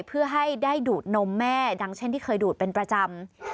เพื่อให้ได้ดูดนมแม่ดังเช่นที่เคยดูดเป็นประจำ